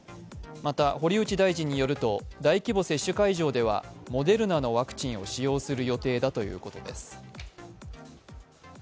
また堀内大臣によると大規模接種会場ではモデルナのワクチンを接種する予定だということです。